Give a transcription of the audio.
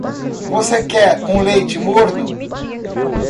Você quer um leite morno?